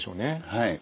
はい。